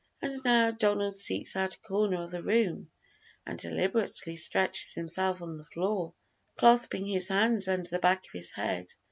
And now Donald seeks out a corner of the room and deliberately stretches himself on the floor, clasping his hands under the back of his head.